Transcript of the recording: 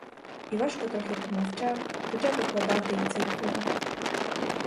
Івашко трохи помовчав і почав викладати й цей план.